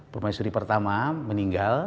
permaisuri pertama meninggal